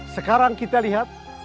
sekarang kita lihat